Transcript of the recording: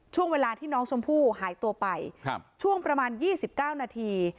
ช่วงเวลาที่น้องชมพู่หายตัวไปช่วงประมาณ๒๙นาที